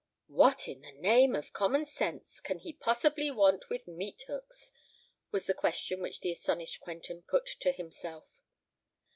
"What, in the name of common sense! can he possibly want with meat hooks?" was the question which the astonished Quentin put to himself.